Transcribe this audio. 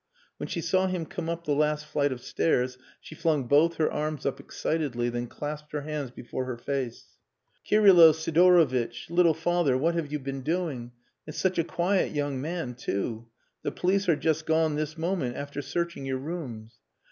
When she saw him come up the last flight of stairs she flung both her arms up excitedly, then clasped her hands before her face. "Kirylo Sidorovitch little father what have you been doing? And such a quiet young man, too! The police are just gone this moment after searching your rooms."